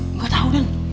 nggak tahu den